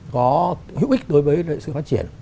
có hữu ích đối với sự phát triển